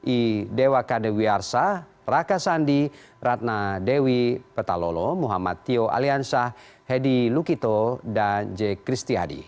i dewa kadewiarsa raka sandi ratna dewi petalolo muhammad tio aliansyah hedi lukito dan j kristiadi